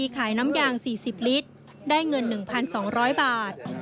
ขายน้ำยาง๔๐ลิตรได้เงิน๑๒๐๐บาท